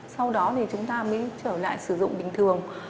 sau đó thì chúng ta mới trở lại sử dụng bình thường